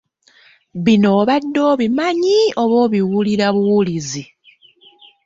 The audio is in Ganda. Bino obadde obimanyi oba obiwulira buwulizi?